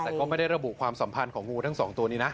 แต่ก็ไม่ได้ระบุความสัมพันธ์ของงูทั้งสองตัวนี้นะ